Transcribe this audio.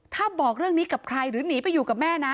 ถ้าบอกเรื่องนี้กับใครหรือหนีไปอยู่กับแม่นะ